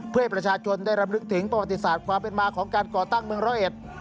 เพื่อให้ประชาชนได้รำลึกถึงประวัติศาสตร์ความเป็นมาของการก่อตั้งเมืองร้อยเอ็ด